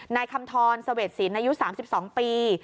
นายคำธรสเวศสินฯอายุ๓๒ปี